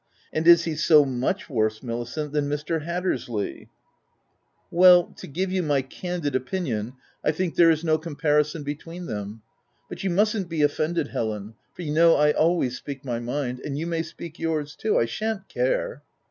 And is he so much worse, Milicent, than Mr. Hattersley ?" 248 THE TENANT " Well, to give you my candid opinion, I think there is no comparison between them. But you mustn't be offended, Helen, for you know I always speak my mind ; and you may speak your's too; I shan't care."